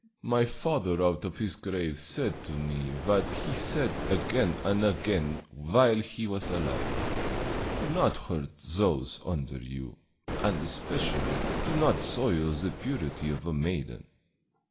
My father out of his grave said to me what he had said again and again while he was alive: 'Do not hurt those under you; and especially do not soil the purity of a maiden.'